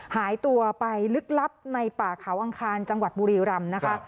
หายตัวไปลึกลับในป่าเขาอังคารจังหวัดบุรีรำนะคะ